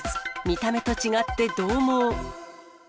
見た目と違ってどう猛。